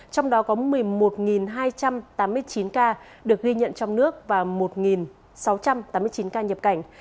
trong đó có một mươi một hai trăm tám mươi chín ca được ghi nhận trong nước và một sáu trăm tám mươi chín ca nhập cảnh